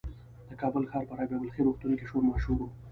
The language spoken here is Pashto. د کابل ښار په رابعه بلخي روغتون کې شور ماشور و.